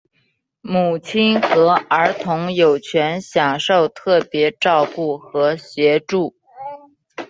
母亲和儿童有权享受特别照顾和协助。